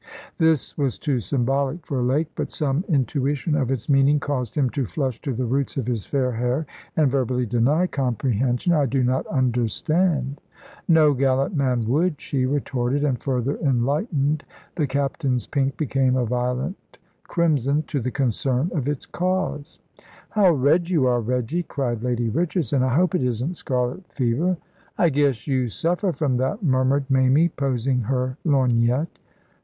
This was too symbolic for Lake, but some intuition of its meaning caused him to flush to the roots of his fair hair, and verbally deny comprehension. "I do not understand." "No gallant man would," she retorted, and, further enlightened, the captain's pink became a violent crimson, to the concern of its cause. "How red you are, Reggy!" cried Lady Richardson. "I hope it isn't scarlet fever." "I guess you suffer from that," murmured Mamie, posing her lorgnette.